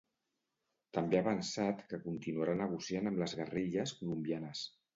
També ha avançat que continuarà negociant amb les guerrilles colombianes.